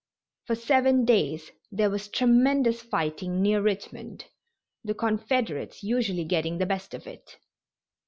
For seven days there was tremendous fighting near Richmond, the Confederates usually getting the best of it.